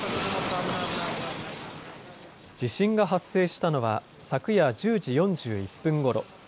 地震が発生したのは昨夜１０時４１分ごろ。